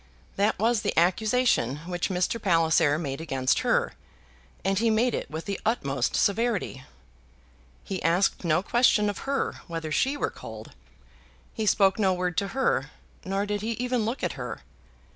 That was the accusation which Mr. Palliser made against her, and he made it with the utmost severity. He asked no question of her whether she were cold. He spoke no word to her, nor did he even look at her.